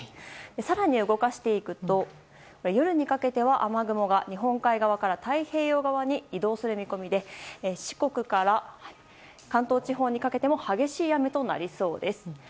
更に動かしていくと夜にかけては雨雲が日本海側から太平洋側に移動する見込みで四国から関東地方にかけても激しい雨になりそうです。